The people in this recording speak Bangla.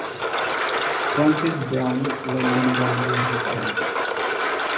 ফ্রান্সিস ব্রাউন লন্ডনে জন্মগ্রহণ করেন।